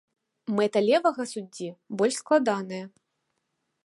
Мэта левага суддзі больш складаная.